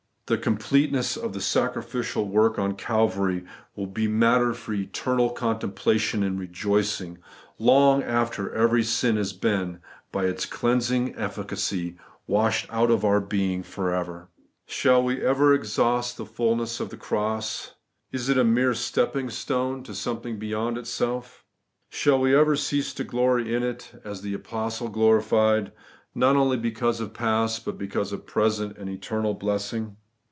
The completeness of the sacrificial work on Calvary will be matter for eternal contempla tion and rejoicing, long after every sin has been, by its cleansing efl&cacy, washed out of our being for ever. Shall we ever exhaust the fulness of the cross ? Is it a mere stepping stone to something beyond itseK ? Shall we ever cease to glory in it (as the apostle gloried), not only because of past, but because of present and eternal blessing